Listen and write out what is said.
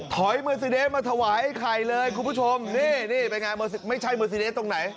เมอร์ซีเดสมาถวายไอ้ไข่เลยคุณผู้ชมนี่นี่เป็นไงไม่ใช่เมอร์ซีเดสตรงไหน